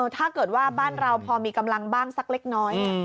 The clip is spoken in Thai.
ถ้าเกิดว่าบ้านเราพอมีกำลังบ้างสักเล็กน้อย